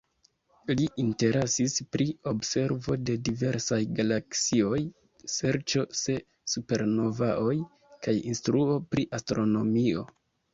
Li interesas pri observo de diversaj galaksioj, serĉo de supernovaoj kaj instruo pri astronomio.